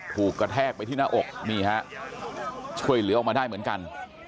ถูกกระแทกไปที่หน้าอกนี่ฮะช่วยเหลือออกมาได้เหมือนกัน